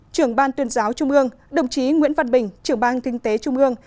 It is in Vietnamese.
trường ban tuyên giáo trung ương đồng chí nguyễn văn bình trường ban kinh tế trung ương